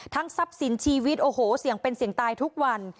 ทั้งทรัพย์ศิลป์ชีวิตโอ้โหเสียงเป็นเสียงตายทุกวัน